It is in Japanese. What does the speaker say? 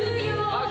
あっ